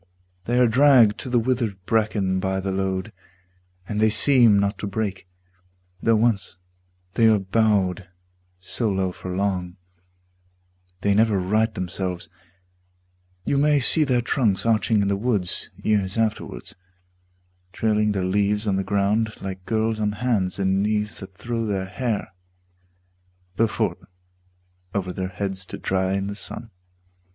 They are dragged to the withered bracken by the load, And they seem not to break; though once they are bowed So low for long, they never right themselves: You may see their trunks arching in the woods Years afterwards, trailing their leaves on the ground Like girls on hands and knees that throw their hair Before them over their heads to dry in the sun.